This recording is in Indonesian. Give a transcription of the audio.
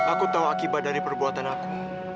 aku tahu akibat dari perbuatan aku